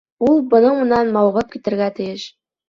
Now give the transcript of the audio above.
Ул бының менән мауығып китергә тейеш.